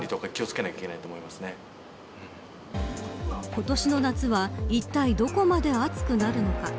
今年の夏は、いったいどこまで暑くなるのか。